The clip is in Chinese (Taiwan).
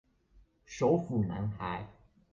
手斧男孩